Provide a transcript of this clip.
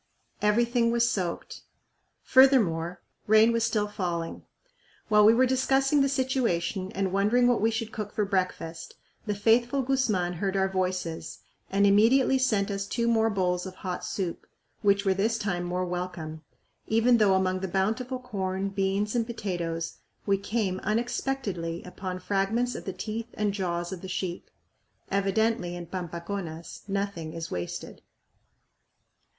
Everything was soaked. Furthermore, rain was still failing. While we were discussing the situation and wondering what we should cook for breakfast, the faithful Guzman heard our voices and immediately sent us two more bowls of hot soup, which were this time more welcome, even though among the bountiful corn, beans, and potatoes we came unexpectedly upon fragments of the teeth and jaws of the sheep. Evidently in Pampaconas nothing is wasted.